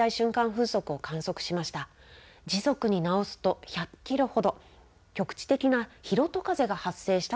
風速を観測しました。